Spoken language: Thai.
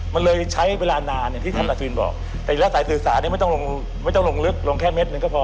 มันเลยใช้เวลานานที่ท่านอัศวินบอกแต่สายสื่อสารเนี่ยไม่ต้องลงลึกลงแค่เมตรนึงก็พอ